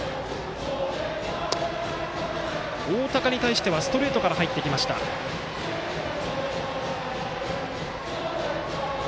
大高に対してはストレートから入ってきました井川。